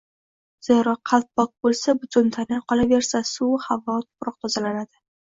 Zero, qalb pok bo‘lsa, butun tana, qolaversa, suv, havo, tuproq tozalanadi.